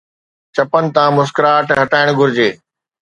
چپن تان مسڪراهٽ هٽائڻ گهرجي